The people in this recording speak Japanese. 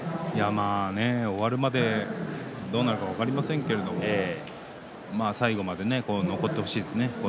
終わるまでどうなるか分かりませんけど最後まで残ってほしいですね。